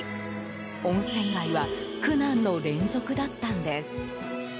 温泉街は苦難の連続だったんです。